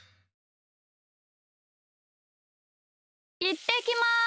いってきます！